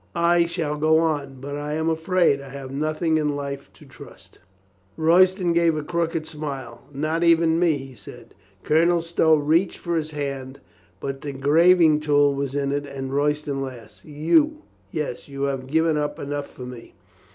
I — I shall go on. But I am afraid. I have nothing in life to trust." COLONEL STOW WARNS HIS FRIEND 225 Royston gave a, crooked smile. "Not even me," he said. Colonel Stow reached for his hand, but the grav ing tool was in it and Royston laughed. "You. Yes, you have given up enough for me."